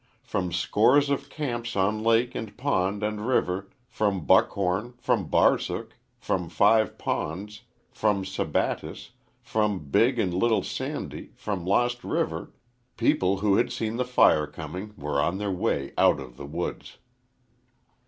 From scores of camps on lake and pond and river from Buckhorn, from Barsook, from Five Ponds, from Sabattis, from Big and Little Sandy, from Lost River people, who had seen the fire coming, were on their way out of the woods.